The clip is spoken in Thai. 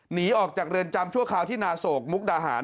หนีออกจากเรือนจำชั่วคราวที่นาโศกมุกดาหาร